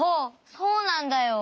そうなんだよ。